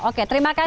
oke terima kasih